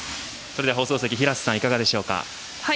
それでは放送席平瀬さん、いかがでしょうか？